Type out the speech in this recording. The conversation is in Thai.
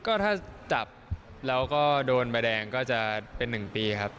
ก็ถ้าจับแล้วก็โดนใบแดงก็จะเป็น๑ปีครับ